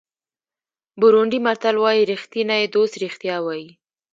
بورونډي متل وایي ریښتینی دوست رښتیا وایي.